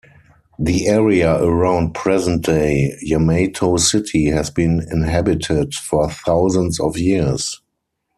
The area around present-day Yamato city has been inhabited for thousands of years.